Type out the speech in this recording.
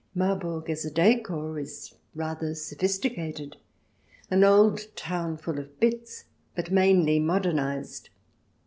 Marburg as a decor is rather sophisticated — an old town full of bits, but mainly modernized.